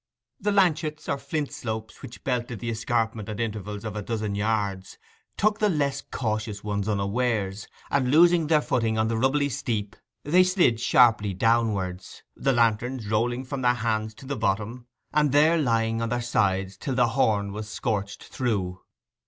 The 'lanchets,' or flint slopes, which belted the escarpment at intervals of a dozen yards, took the less cautious ones unawares, and losing their footing on the rubbly steep they slid sharply downwards, the lanterns rolling from their hands to the bottom, and there lying on their sides till the horn was scorched through.